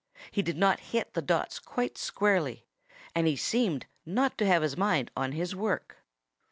He did not hit the dots quite squarely. And he seemed not to have his mind on his work.